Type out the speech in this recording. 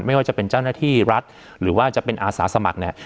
ไม่ว่าจะเป็นเจ้าหน้าที่รัฐหรือว่าจะเป็นอาสาสมัครเนี่ย